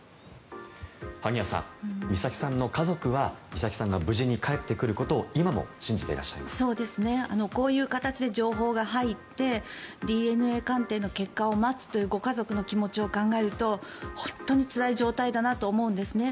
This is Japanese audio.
萩谷さん美咲さんの家族は美咲さんが無事に帰ってくることをこういう形で情報が入ってＤＮＡ鑑定の結果を待つというご家族の気持ちを考えると本当につらい状態だなと思うんですね。